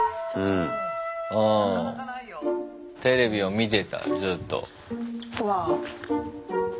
テレビを見てたずっと。